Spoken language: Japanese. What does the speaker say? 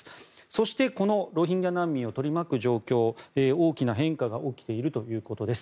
そして、このロヒンギャ難民を取り巻く状況に大きな変化が起きているということです。